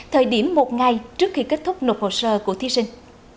thời điểm một ngày trước khi kết thúc nộp hồ sơ của thí sinh